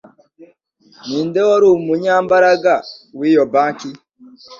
Ninde wari umunyamabanga wiyo banki